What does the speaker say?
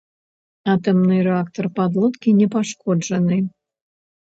Атамны рэактар падлодкі не пашкоджаны.